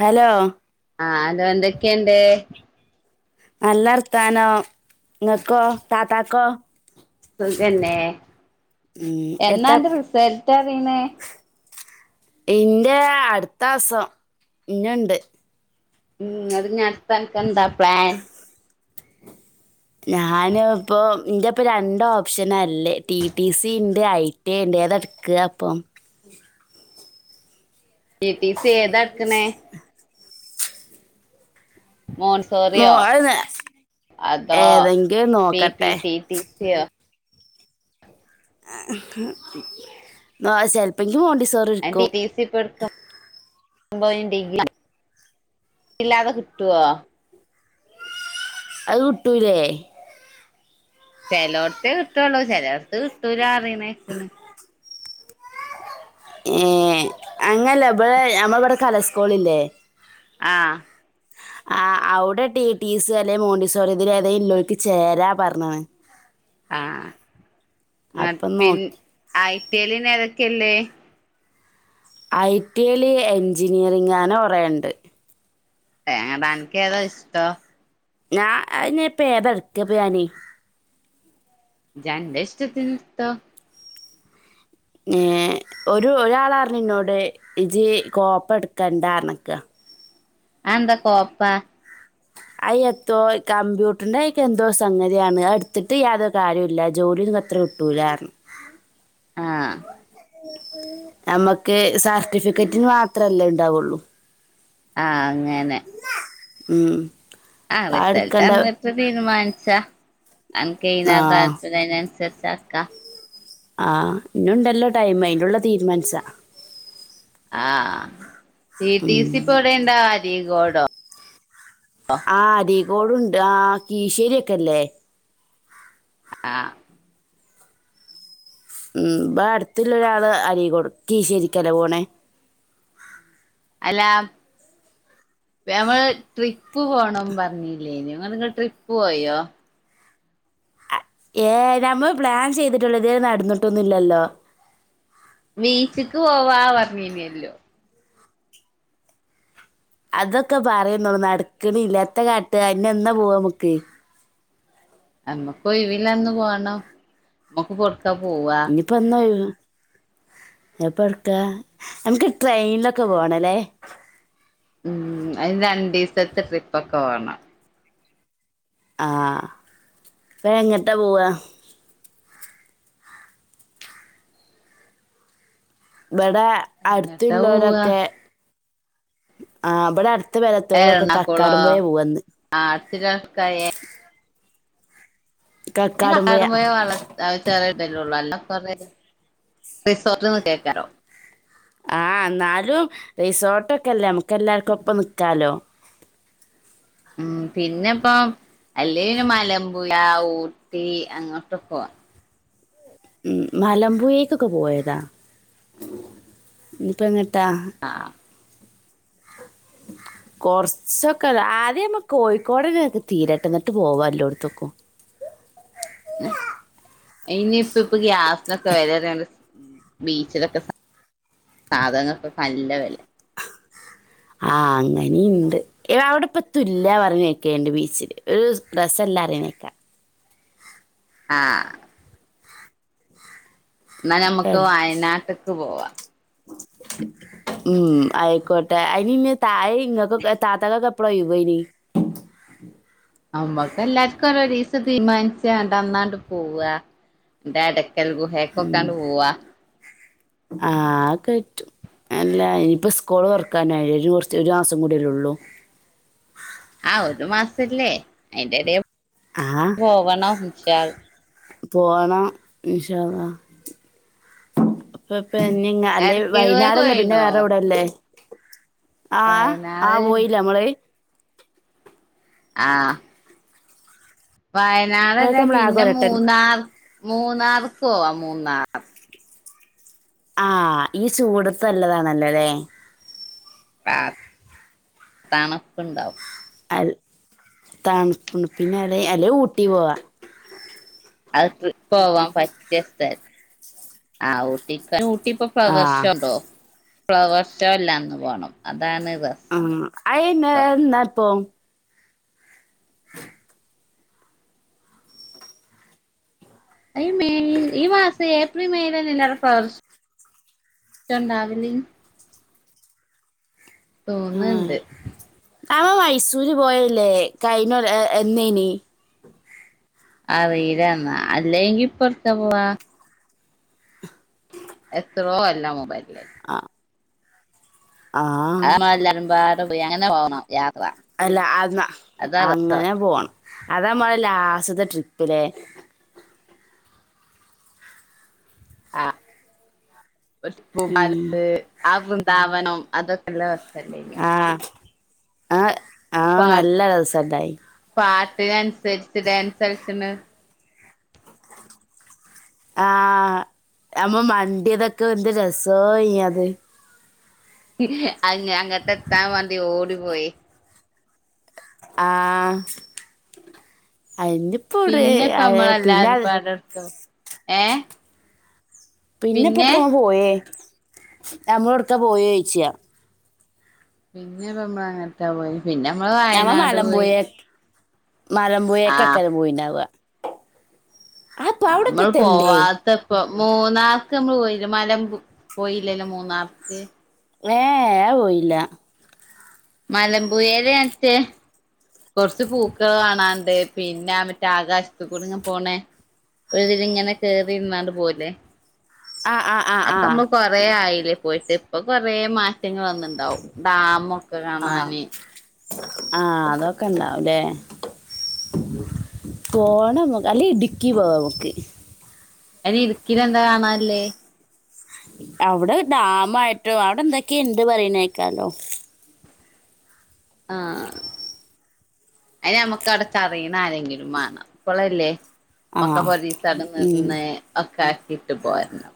Hello ആഹ് hello എന്തെക്കെണ്ട് നല്ലർഥാനോം ങ്ങക്കോ താത്താക്കോ സുഖെന്ന ഉം എത്ത എന്നാന്റെ റിസൽട്ടർ റിണെ ഇന്റെ അടുത്തമാസം ഇന്നുണ്ട് ഉം അത് ഞാത്താ [unintelligible] നൊക്കെ എന്താ പ്ലാൻ ഞാന് ഇപ്പൊ ഇന്റെപ്പ രണ്ട ഓപ്ഷനാല്ലേ ടി ടി സി ഇണ്ട് ഐടി എ ണ്ട് ഏതെടുക്കുവാ ഇപ്പം ടീ ടീ സി ഏതാ എടുക്കുന്നെ മോ മോൺസോറിയോ അത് ന- അതോ ഏതെങ്കിലും പി നോക്കട്ടെ പിടി ടി യൊ നോ ചെലപ്പ- ഇത് മോണ്ടിസോറി ഇട്ക്കും അമ്പ [unintelligible] തിന ഡിഗി ഇല്ലാതെ കിട്ടുവോ അത് കുട്ടൂല്ലേ ചിലോടത്തെ കിട്ടുവള്ളോ ചിലോടത്ത് കിട്ടൂല അറീണയ്ക്ക്ണ് ഏ അങ്ങനല്ലേ ഇവിടെ ഞമ്മള ഇവിടെ കല സ്കൂള ഇല്ലേ ആഹ് ആ അവിടെ ടി ടീസ് അല്ലെ മോണ്ടിസോറി ഇതിലേലോക്ക്ക്ക് ചേരാ പറഞ്ഞ്ണ് ആഹ് അത് പിൻ നോക്കി ആയി േലിനെ അതൊക്കെയല്ലേ [unintelligible] ഐ ടി യില് എഞ്ജിനീയറിങ്ങാ അങ്ങനെ കുറേ ഉണ്ട് തനിക്ക് ഏതാ ഇഷ്ട്ടം ഞാ ഞാനിപ്പ ഏതാ എടുക്ക്യ ഇപ്പൊ ഞാന് തന്റെ ഇഷ്ടത്തിന് എടുത്തോ ഏഹ് ഒരു ഒരാളാരന് ഇന്നോട് ഇജി കോപ്പ എടുക്കാണ്ടാന്നക്ക ആന്താ കോപ്പാ അയ് എത്തോ കമ്പ്യൂട്ടറിന്റെ അക്ക എന്തോ സംഗതിയാണ് അത എടുത്തിട്ട് യാതൊ കാര്യം ഇല്ല ജോലി അത്ര കിട്ടൂലാ ർഞ്ഞു ആഹ് നമ്മുക്ക് സർട്ടിഫിക്കറ്റിന് മാത്രല്ലേ ഇണ്ടാവുള്ളു ആഹ് അങ്ങനെ ഉം ആഹ് അപ്പൊ ആ റിസൽട്ട് എടുക്കണ്ട ന്നിട്ട തീരുമാനി ച്ച. ആ അൻകയ്നാ താൽപര്യം അയിനന്സര് ചക്ക. ആഹ് ഇനുണ്ടല്ലോ ടൈംമ് അയിന്റുള്ള തീരുമാൻച്ചാ. ആഹ് ട്ടി ട്ടി സി പ്പോടെണ്ടാ അരിക്കോ ടോ ആദി ഗോഡണ്ട് ആ കിഴിശ്ശെരി ഒക്കെല്ലേ അ ഉം ഇബടുത്ത്ല്ല ഒരാള് അരിക്കൊട് കിശ്ശെ രിക്കല്ലേ പോണെ അല്ല ഞമ്മള് ട്രിപ്പ് പോണം പറഞ്ഞില്ലേനെ നിങ്ങ ട്രിപ്പ് പോയോ അ- ഏ നമ്മ പ്ലാൻ ചെയ്തിട്ടുള്ള ഇത് നടന്നിട്ടൊന്നുംലില്ലോ ബീച്ചക്ക് പോവാ പറഞ്ഞീനല്ലോ അതൊക്കെ പറയന്നോള്ളു നടക്കണില്ല എത്താ കാട്ട് ഇനി എന്നാ പോവാമക്ക് നമ്മക്ക് ഒഴിവുള്ളഅന്ന് പോണം നമുക്ക് ഇനിയിപ്പോ എന്നാ ഒഴിവ് എപ്പ എടുക്ക ഞമക്ക് ട്രെയിനിലൊക്കെ പോണ്ലെ ഉം അതിന് രണ്ടു ദിവസത്തെ ട്രിപ്പക്കെ വേണം ആ ഇപ്പ എങ്ങട്ടാ പോവ ഇവിടെ എങ്ങട്ടാ പോവാ അടുത്തുള്ളവരൊക്കെ ആഹ് ബടെ അടു എരണാകുളോ ആ അടുത്തി [unintelligible] അ കക്കാടുംപോയ കക്കാടും പോയ വള്ളം ചെറിയ ഇല്ലേള്ളു അല്ലോ റിസോർട്ട് നിന്ന് കേക്കാലൊ ആഹ് ന്നാലും റിസോട്ടൊക്കെല്ലേ നമുക്ക് എല്ലാർക്കും ഒപ്പ നിക്കാലോ ഉം പിന്നെപ്പ അല്ലേ ന്നെ മലമ്പുയ ഊട്ടി അങ്ങോട്ട് പോ ഉ മലമ്പൂയെക്കെ പോയതാ ഇപ്പങ്ങ ത്ത കൊറച്ചൊക്കെ ആദ്യമ്മ കോഴിക്കോടന്നെ തീരടട്ട് പോവാല്ലോടത്തക്കും ഇനിയിപ്പ ഇപ്പ ഗ്യാസ് ക്കെ വേലയറിയണ്ട് ബീച്ചിലൊക്കെ സാധങ്ങക്കെ നല്ല വെല ആ അങ്ങനെണ്ട് അവിടെപ്പത്തും ഇല്ല പറഞ്ഞെക്കണ്ട് ബീച്ചില് ഒരു രസംല്ലന്ന് പറണെക്കാ ആ എന്നാ നമ്മക്ക് വയനാട്ട്ക്ക് ക്ക്പോവാ ഉം ആയിക്കോട്ടെ അയിനിന് താഴെ ഇങ്ങക്കൊക്കെ താത്തകൊക്കെ എപ്പളാഒയിവ് അയിന് തീരുമാനിച്ച അന്നാണ്ട് പോവാ ന്റെടെ കൽഗുഹേക്കൊക്കെണ്ട് പോവാ ആഹ് ക്കെറ്റും അല്ല ഇനിപ്പോ സ്കൂള് തൊറക്കാനായില്ലേ കുറച്ച് ഒരു മാസം കൂടില്ലേള്ളു ആഹ് ഒരു മാസല്ലേ അതിന്റെടെ ആ പോവണംവച്ചാൽ പോണം ഇൻഷാ അള്ളാ അപ്പം പിന്നിങ്ങാ അല്ലെ എടക്കൽ ഗുഹക്ക് വയനാട്ല്ലേ പിന്നെ പോയിണോ വേറെവിടെ ഇല്ലേ ആ ആ വയനാട് പോയില്ല നമ്മള് ആഹ് വയനാടല്ല അതൊക്കെ നമ്മള് ആകെ പിന്നെ ഒരട്ടം മൂന്നാർ മൂന്നാർക്കോവാ മൂന്നാർ ആഹ ഈ ചൂടത്ത് നല്ലതാണല്ലൊ ലേ [unintelligible] തണപ്പ്ണ്ടാവും അൽ തണുപ്ണ് പിന്നെ അലെ അല്ലെ ഊട്ടി പോവാ അത് പോവാൻ പറ്റിയ സ്ഥല ആ ഊട്ടിക ഊട്ടിപ്പം ആഹ് ഫ്ലവർഷോണ്ടോ ഫ്ലവർഷോല്ലന്ന് പോണം അന്ന് ആ ആയ്ന് ന്നപ്പം അയ്മെയ് ഈ മാസ് ഏപ്രിൽ മെയ്ലല്ലേ ഫ്ലവർഷോ ഉണ്ടാവല് തോന്ന്ണ്ട് ആ മൈസൂര് പോയില്ലേ കഴിഞ്ഞോരെ എന്നേനി അറിയിലെന്നാ അല്ലെങ്കിപ്പവ്ട്ക്കാ പോവാ എത്രോ അല്ല മൊബൽ ആ അഹ് ഞങ്ങളെല്ലാരും പാടെ പോയി അങ്ങനെ പോണം യാത്ര അല്ല അന്നാ അതാ രസം അങ്ങനെ പോവാണ് അതാമ്മടെ ലാസ്റ്റത്തെ ട്രിപ്പിലേ ആ ഒരു പൂ പാലസ് [unintelligible] ന്ദാവനം അതൊ നല്ല രസല്ലേയിങ്ങനെ ആ ആ നല്ല രസണ്ടായി [unintelligible] [unintelligible] ഡാൻസ് കളിച്ചണ് ആ അമ്മ മണ്ടിതൊക്കെ എന്ത് രസോയി യത് അ അങ്ങട്ട് എത്താൻ വേണ്ടി ഓടി പോയി ആഹ് അയിനിപ്പോ ഓടെ പിന്നെ അയ് പിന്നാത് ഏഹ് പിന്നെ എപ്പത്തെന്ന പോയേ നമ്മള് ഒടുക്കാ പോയെചോയ്ച്ചാ പിന്നെ നമ്മള് എങ്ങട്ടാ പോയെ പിന്നെ നമ്മള് വയനാട് പോയി മലംമ്പുയെ ആ കൊക്കെപോയിണ്ടാവ നമ്മൾ അവിടെപ്പത്തല്ലേ പോവാത്തപ്പം മൂന്നാർക്ക് നമ്മള് പോയില്ല മലം പോയില്ലല്ലോ മൂന്നാർക്ക് ഏ ഏ അഹ്പോയില്ല മലബുയേല് മറ്റേ കൊറച്ച്പൂക്കൾ കാണാണ്ട് പിന്നെ മറ്റേ ആകാശത്ത്കൂടിങ്ങനെ പോണേ ഒരിതിൽ ഇങ്ങനെ കേറിയിരുന്നാണ്ട് പോവല്ലേ ആഹ് ആഹ് ആഹ് അപ്പം ആഹ് മ്മൾ കൊറെ ആയില്ലേ പോയിട്ട് ഇപ്പൊ കൊറേ മാ റ്റങ്ങൾ വന്നിണ്ടാവും ഡാമ്ഒക്കെ കാണാന് ആ അതൊക്കെണ്ടാവുംല്ലേ പോണംമ്മ അല്ലേ ഇടുക്കി പോവാ നമ്മക് അയ്ന് ഇടുക്കില് എന്താ കാണാല്ലേ അവിടെ ഡാമ ആയിട്ടോ അവിടെ എന്തൊക്കെ ഇണ്ട് പറയ്ണ് കേക്കാലോ ആ ആയ്ന് നമ്മക്ക് അവിടെക്ക് അറി യ്ണ ആരെങ്കിലും മാണം അപ്പളല്ലേ മ്മക്ക് ആഹ് ഒരീസം അടെ ഉം നിന്ന് ഒക്കെ ആക്കിട്ട് പോരണം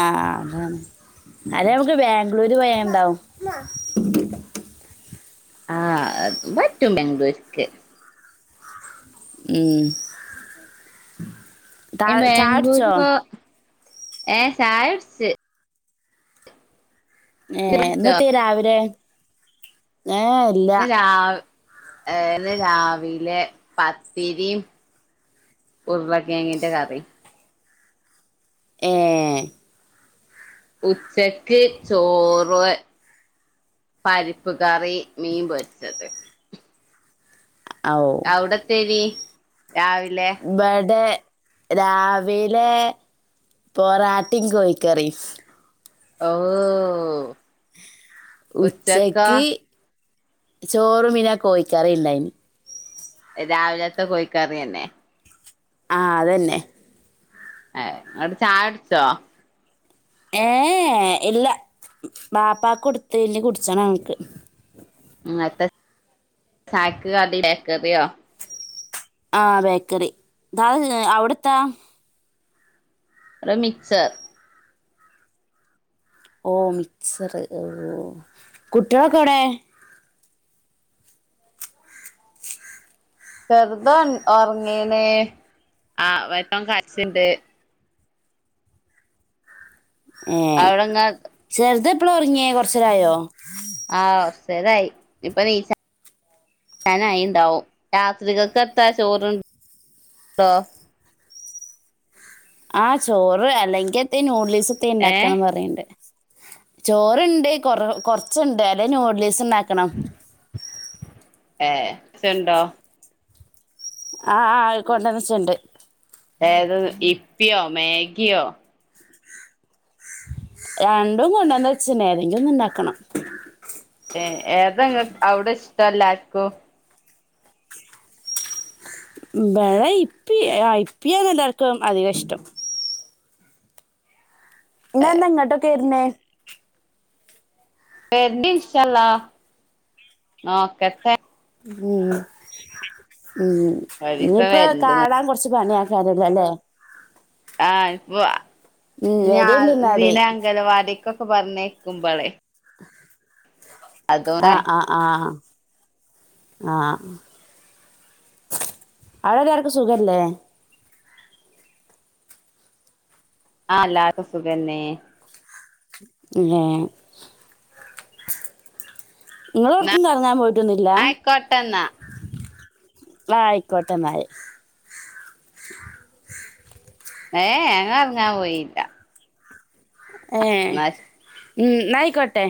ആ അതാണ് അല്ലേ നമക്ക് ബാംഗ്ലൂര് പോയാണ്ടാ ആ അതും പറ്റും ബാംഗ്ലൂർക്ക് ഉം താ അയ്ന് ചായുടിച്ചോ ബാംഗ്ലൂര്പ്പം ഏ ചായ കുടിച്ച് ഏ ഇയ്യ് കുടിച്ചോ ഇന്നത്തേനിരാവിലെ ഏ ഇല്ല ഇന്ന് രാവ് ഇന്ന് രാവിലെ പത്തിരിം ഉരുളക്കേങ്ങിന്റെ കറിം ഏ ഉച്ചക്ക് ചോറു പരിപ്പ് കറി മീൻ പൊരിച്ചത് ഔടത്തേനി ഇബടെ രാവിലെ പൊറാട്ടിം കോഴിക്കറിം ഓ ഉച്ചക്കോ ഉച്ചക്ക് ചോറും പിന്നെ കോഴിക്കറി ഇണ്ടായിനി രാവിലത്തെ കോഴിക്കറി യെന്നെ ആ അതെന്നെ ഏ ഇങ്ങാൾ ചായൊട്ച്ചോ ഏ എ ഇല്ല ബാപ്പാക്ക് കൊട്ത്ത് ഇഞ് കുട്ച്ചണം ഞങ്ങക്ക് ഇന്നട്ട് ചായക്ക് കടി ബേക്കറിയോ ആ ബേക്കറി [unintelligible] അവടെ എത്താ ഇവടെ മിച്ചർ ഓ മിച്ചറ് കുട്ടിയാളൊക്കെ എവിടെ ചെറ്ത് ഒറങ്ങീണ് ആ വല്ല്യോൻ കൾച്ച്ണ്ട് ഏ അവിടെങ്ങ ചെറ്ത് പ്പള ഒറങ്ങിയേ കൊർച്ചേരായോ ആ കൊർച്ചേരായി ഇപ്പ നീച്ചാ നായി ണ്ടാവും രാത്രികക്ക് എത്താ ചോറ് ണ്ടോ ആ ചോറ് അല്ലെങ്കി എന്തേ ന്യൂഡിൽസ് പ്പത്തേം ഏ ഇണ്ടാക്കാൻ പറീണ്ട് ചോർണ്ട് കൊറ കൊർച്ച്ണ്ട് അല്ലെ നൂഡിൽസ് [unintelligible] ക്കണം ഏ ച്ചണ്ടോ ആ ആ കൊണ്ടന്ന് വെച്ചത് ഇണ്ട് ഏത് ഇപ്പിയോ മാഗിയോ രണ്ടും കൊണ്ടന്ന് വെച്ച്ണ് ഏതെങ്കിലും ഒന്ന് ഇണ്ടാക്കണം ഏ ഏതാ ഇങ്ങ അവടെ ഇഷ്ടം എല്ലാർക്കും ഇബടെ ഇപ്പി ആ ഇപ്പിയാണ് എല്ലാർക്കും അധികം ഇഷ്ടം ഞ് എന്നാ ഇങ്ങട്ടൊക്കെ വെര്ണേ വെര്ണ്ട് ഇന്ഷാ അള്ളാഹ് നോക്കട്ടെ ഉം ഉം ഒരീസം ഇഞ്ഞിപ്പം വരണ്ട് കാണാൻ കൊർച്ച് പണി ആണ് [unintelligible] ല്ലെ ആ ഇപ്പൊ ഉം ഞാ വരില്ലേ എന്നാല് [unintelligible] അംഗലവാടി കൊക്കെ പറഞ്ഞേക്കുമ്പളെ ആ ആ ആ ആ അവടെല്ലാർക്കും സുഖല്ലേ ആ എല്ലാർക്കും സുഖന്നെ ഏ ന്നാ ഇങ്ങളേട്ക്കും കറങ്ങാൻ പോയിട്ടൊന്നില്ല ആയിക്കോട്ടെന്നാ ആ അയ്ക്കോട്ടെ ന്നാല് ഏ ഏ ങ്ങ കറങ്ങാൻ പോയില്ല ഏ ന്നാ ശ ഉം ന്നായിക്കോട്ടെ